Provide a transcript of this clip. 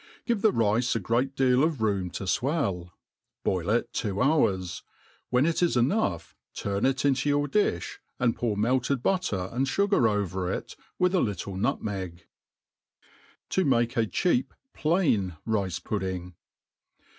Give the rice a great deal of room to fwell. Boil it two hours ; when it is enqugh turn it into your di(b^ and pour melted butter and fugar over it, wi^ a little nutmeg* To mate a chegp plain Rice Pudding.